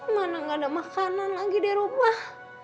mana nggak ada makanan lagi di rumah